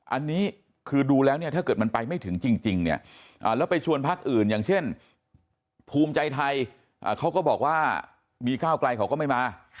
อันนี้คือดูแล้วเนี่ยถ้าเกิดมันไปไม่ถึงจริงเนี่ยแล้วไปชวนพักอื่นอย่างเช่นภูมิใจไทยเขาก็บอกว่ามีก้าวไกลเขาก็ไม่มา